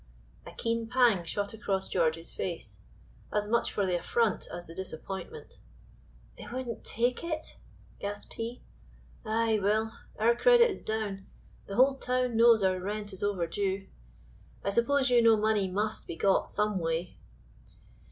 A keen pang shot across George's face, as much for the affront as the disappointment. "They wouldn't take it?" gasped he. "Ay, Will, our credit is down, the whole town knows our rent is overdue. I suppose you know money must be got some way."